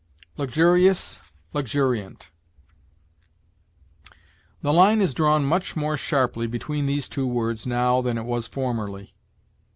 LUXURIOUS LUXURIANT. The line is drawn much more sharply between these two words now than it was formerly.